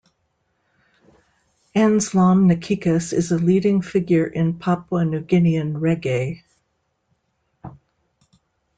Anslom Nakikus is a leading figure in Papua New Guinean reggae.